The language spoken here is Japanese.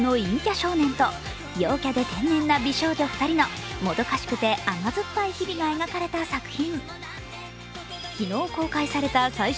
少年と陽キャで天然な美少女２人のもどかしくて甘酸っぱい日々が描かれた作品。